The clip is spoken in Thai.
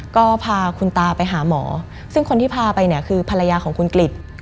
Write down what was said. ก็พาคุณตาไปหาหมอซึ่งคนที่พาไปเนี่ยคือภรรยาของคุณกริจ